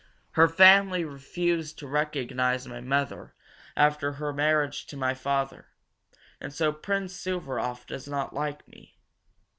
Her family refused to recognize my mother after her marriage to my father, and so Prince Suvaroff does not like me.